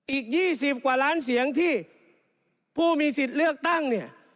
อีก๒๐กว่าล้านเสียงที่ผู้มีสิทธิ์เลือกตั้งเนี่ย